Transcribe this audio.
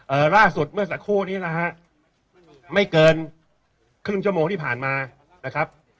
ล่าสุดเมื่อสักครู่นี้นะฮะไม่เกินครึ่งชั่วโมงที่ผ่านมานะครับ